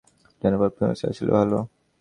জানো, তোমার পারফরম্যান্স আসলেই ভালো।